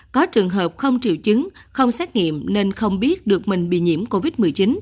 có trường hợp không triệu chứng không xét nghiệm nên không biết được mình bị nhiễm covid một mươi chín